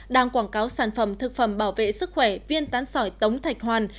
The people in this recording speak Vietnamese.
đang quảng cáo sản phẩm thực phẩm bảo vệ sức khỏe viên tán sỏi tống thạch hoàn